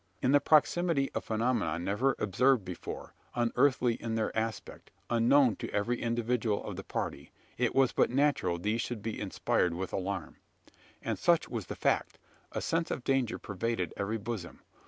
In the proximity of phenomena never observed before unearthly in their aspect unknown to every individual of the party it was but natural these should be inspired with alarm. And such was the fact. A sense of danger pervaded every bosom.